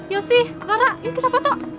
yosi nara yuk kita foto